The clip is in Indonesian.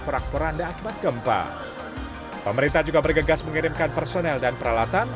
purak purak dan akibat gempa pemerintah juga bergegas mengirimkan personel dan peralatan